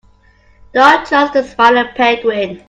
Don't trust the smiling penguin.